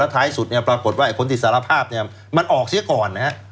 แล้วท้ายสุดปรากฏว่าคนที่สารภาพมันออกเสียก่อนนะครับ